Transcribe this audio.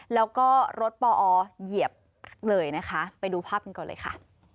แล้วก็รถปอเหยียบเลยนะคะไปดูภาพกันก่อนเลยค่ะ